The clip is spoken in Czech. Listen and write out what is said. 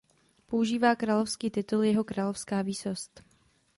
Používá královský titul "Jeho královská výsost".